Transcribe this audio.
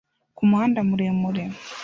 Ku muhanda muremure